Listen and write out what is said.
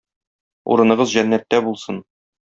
Урыныгыз җәннәттә булсын!